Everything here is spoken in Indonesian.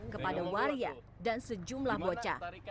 kepada waria dan sejumlah bocah